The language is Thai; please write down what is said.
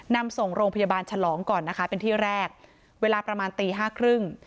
นำส่งโรงพยาบาลฉลองก่อนนะคะเป็นที่แรกเวลาประมาณตีห้าครึ่ง